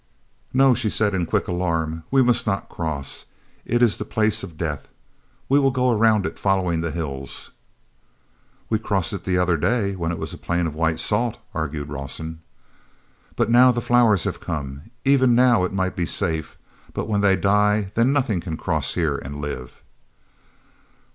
"No!" she said in quick alarm. "We must not cross. It is the Place of Death. We will go around it, following the hills." "We crossed it the other day when it was a plain of white salt," argued Rawson. "But now the flowers have come. Even now it might be safe—but when they die then nothing can cross here and live."